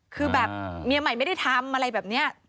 คือแบบเมียใหม่ไม่ได้ทำอะไรแบบนี้